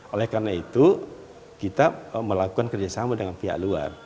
oleh karena itu kita melakukan kerjasama dengan pihak luar